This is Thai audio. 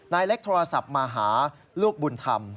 นายเล็กโทรศัพท์มาหาลูกบุญธรรม